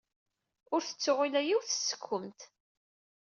Ur tettuɣ ula yiwet seg-kumt.